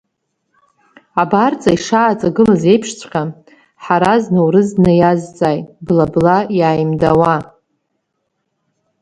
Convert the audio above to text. Абарҵа ишааҵагылаз еиԥшҵәҟьа, Ҳараз Наурыз днаиазҵааит, бла-бла иааимдауа.